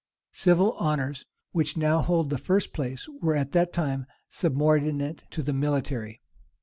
[*] Civil honors, which now hold the first place, were at that time subordinate to the military.